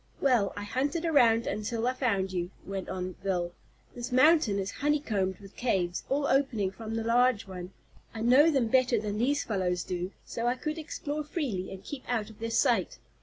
"Well, I hunted around until I found you," went on Bill. "This mountain is honeycombed with caves, all opening from the large one, I know them better than these fellows do, so I could explore freely, and keep out of their sight.